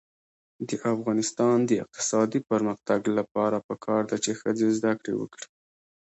د افغانستان د اقتصادي پرمختګ لپاره پکار ده چې ښځې زده کړې وکړي.